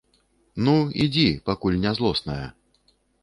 Ну, ідзі, пакуль не злосная.